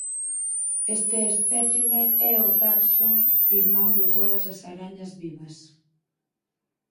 Este espécime é o taxon irmán de todas as arañas vivas.